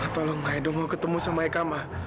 tolong ma edo mau ketemu sama eka ma